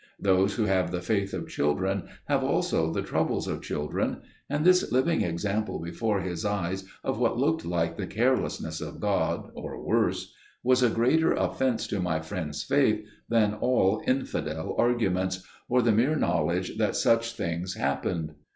Those who have the faith of children have also the troubles of children; and this living example before his eyes of what looked like the carelessness of God, or worse, was a greater offence to my friend's faith than all infidel arguments, or the mere knowledge that such things happened.